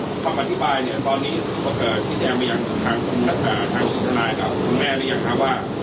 เจอชีวิตแดงไม่ยังทางทางทางน้ายกับทางแม่นี้ยังครับว่า